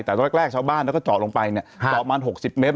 แต่ตอนแรกชาวบ้านแล้วก็เจาะลงไปเนี่ยเจาะประมาณ๖๐เมตร